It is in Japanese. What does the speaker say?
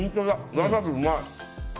ワサビうまい。